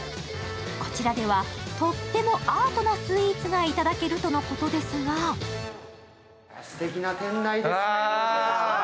こちらではとってもアートなスイーツが頂けるとのことですがすてきな店内です。